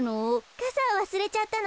かさをわすれちゃったの。